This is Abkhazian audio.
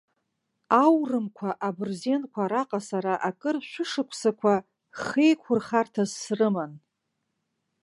Аурымқәа, абырзенқәа араҟа сара акыр шәышықәсақәа хеиқәырхарҭас срыман.